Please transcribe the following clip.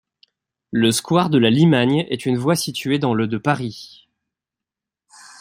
Le square de la Limagne est une voie située dans le de Paris.